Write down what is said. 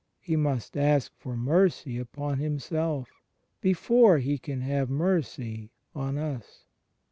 He must ask for mercy upon Himself, before He can have mercy on us.